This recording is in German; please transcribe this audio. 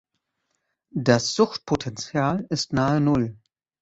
Das Suchtpotenzial ist nahe Null.